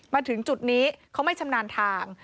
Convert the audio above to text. มาถึงจุดนี้เขาไม่ชำนาญทาง